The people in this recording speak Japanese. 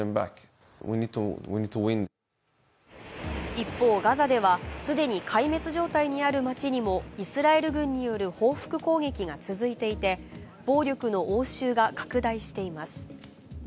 一方、ガザでは既に壊滅状態にある街にもイスラエル軍による報復攻撃が続いていて暴力の応酬が拡大しています。